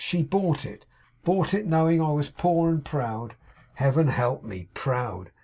She bought it; bought it; knowing I was poor and proud (Heaven help me! Proud!)